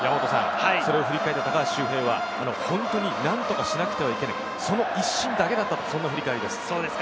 振り返って高橋は本当に何とかしなくてはいけない、その一心だけだったという振り返りです。